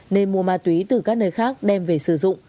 nên mua ma túy từ các nơi khác đem về sử dụng